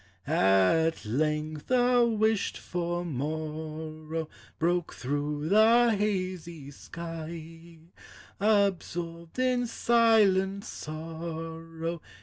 At length the wished for morrow Broke through the hazy sky, Absorbed in silent sorrow.